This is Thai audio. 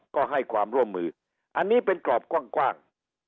ก็ให้ความร่วมมืออันนี้เป็นกรอบกว้าง